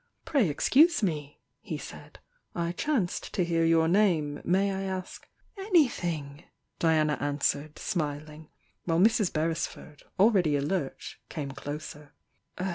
"Pray excuse me!" he said— "I chanced to hear your name — may I ask " "Anything!" Diana answered, smiling, while Mrs. Beresford, tdready alert, came closer.